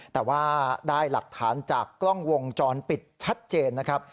แต่ว่าได้หลักฐานจากกล้องวงจรปิดชัดเจนนะครับ